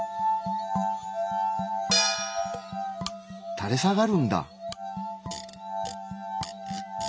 たれ下がるんだ！